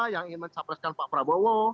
yang ingin mencapreskan pak prabowo